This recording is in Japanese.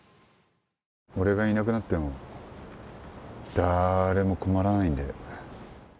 俺がいなくなっても誰も困らないんで。